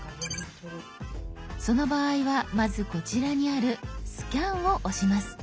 その場合はまずこちらにある「スキャン」を押します。